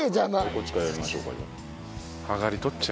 こっちからやりましょうかじゃあ。